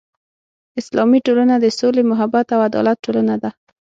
اسلامي ټولنه د سولې، محبت او عدالت ټولنه ده.